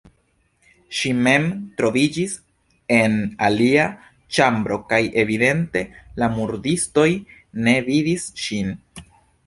Ŝi mem troviĝis en alia ĉambro kaj evidente la murdistoj ne vidis ŝin.